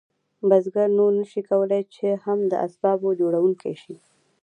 بزګر نور نشو کولی چې هم د اسبابو جوړونکی شي.